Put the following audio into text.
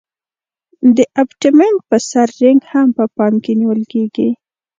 د ابټمنټ په سر رینګ هم په پام کې نیول کیږي